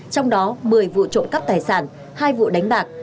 trong đó một mươi vụ trộm cắp tài sản hai vụ đánh bạc